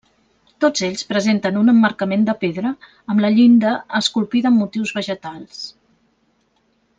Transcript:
Tots ells presenten un emmarcament de pedra amb la llinda esculpida amb motius vegetals.